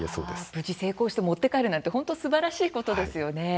無事成功して持って帰るなんて本当、すばらしいことですよね。